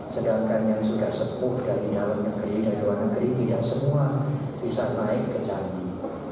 sedangkan yang sudah sepuh dari dalam negeri dan luar negeri tidak semua bisa naik ke candi